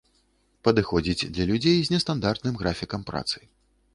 Падыходзіць для людзей з нестандартным графікам працы.